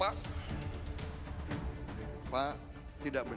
pak tidak bener pak tidak bener